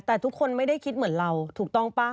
แต่ทุกคนไม่ได้คิดเหมือนเราถูกต้องป่ะ